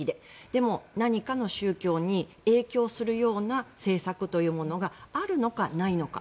でも何かの宗教に影響するような政策というものがあるのか、ないのか。